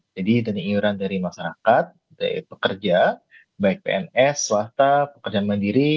jadi dana iuran dari masyarakat dari pekerja baik pns swasta pekerjaan mandiri